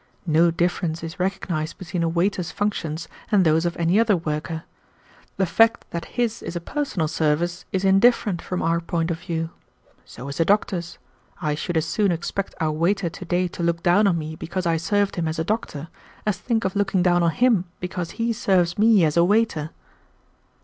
No difference is recognized between a waiter's functions and those of any other worker. The fact that his is a personal service is indifferent from our point of view. So is a doctor's. I should as soon expect our waiter today to look down on me because I served him as a doctor, as think of looking down on him because he serves me as a waiter."